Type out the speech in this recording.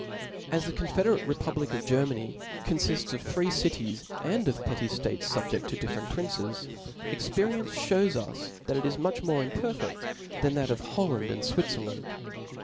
As the confederate republic of Germany confifts of free cities, and of petty ftates fubjeft to different princes, experience Ihews us, that it is much more imperfeft than that of Holland and Swiflerland.